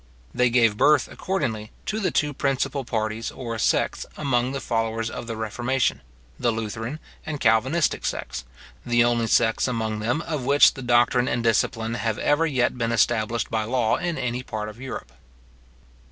They gave birth, accordingly, to the two principal parties or sects among the followers of the reformation, the Lutheran and Calvinistic sects, the only sects among them, of which the doctrine and discipline have ever yet been established by law in any part of Europe.